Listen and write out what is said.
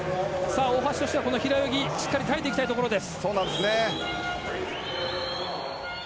大橋としては平泳ぎしっかり耐えていきたいところです。